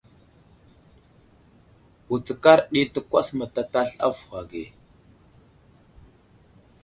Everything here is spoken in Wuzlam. Wutskar ɗi təkwas mətatasl avohw age.